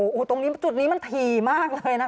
โอ้โหตรงนี้จุดนี้มันถี่มากเลยนะคะ